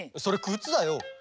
それくつだよ。